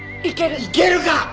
いけるか！